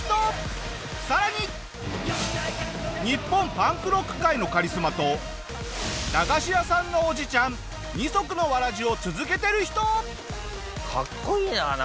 日本パンクロック界のカリスマと駄菓子屋さんのおじちゃん二足のわらじを続けてる人！